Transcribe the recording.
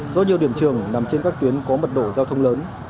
do nhiều điểm trường nằm trên các tuyến có mật độ giao thông lớn